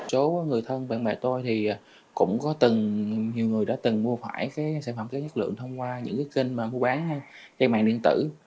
chỗ người thân bạn bè tôi thì cũng có từng nhiều người đã từng mua phải cái sản phẩm kết nhất lượng thông qua những cái kênh mà mua bán trên mạng điện tử